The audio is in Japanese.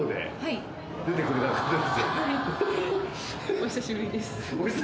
お久しぶりです。